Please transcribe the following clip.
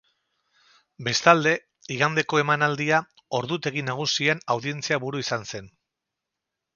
Bestalde, igandeko emanaldia ordutegi-nagusian audientzia buru izan zen.